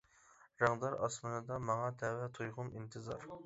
رەڭدار ئاسمىنىدا، ماڭا تەۋە تۇيغۇم ئىنتىزار.